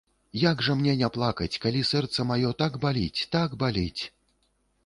Як жа мне не плакаць, калі сэрца маё так баліць, так баліць!